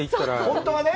本当はね。